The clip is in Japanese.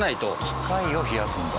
機械を冷やすんだ。